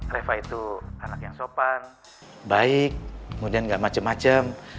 reva itu anak yang sopan baik kemudian gak macem macem